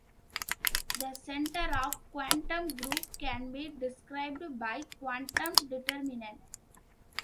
The center of quantum group can be described by quantum determinant.